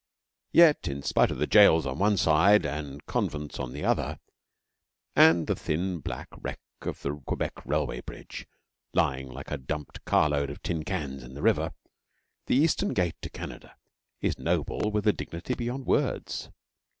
Yet, in spite of jails on the one side and convents on the other and the thin black wreck of the Quebec Railway Bridge, lying like a dumped car load of tin cans in the river, the Eastern Gate to Canada is noble with a dignity beyond words.